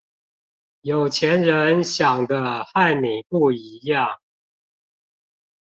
有錢人想的和你不一樣